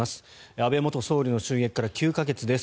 安倍元総理の襲撃から９か月です。